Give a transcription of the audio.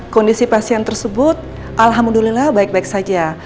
kondisi pasien tersebut alhamdulillah baik baik saja